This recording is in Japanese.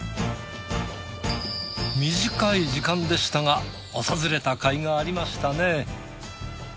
短い時間でしたが訪れたかいがありましたね。